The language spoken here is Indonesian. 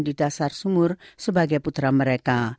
di dasar sumur sebagai putra mereka